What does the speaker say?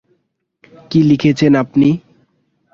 কী লিখছেন আপনি?